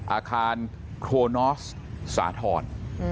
อาคารโครนอสสาธรณ์